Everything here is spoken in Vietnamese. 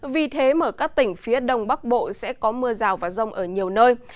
vì thế mà các tỉnh phía đông bắc bộ sẽ có mưa rào và rông ở nhiều nơi